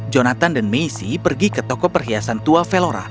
jonathan dan messi pergi ke toko perhiasan tua velora